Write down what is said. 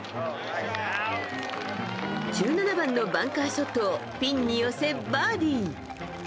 １７番のバンカーショットをピンに寄せバーディー。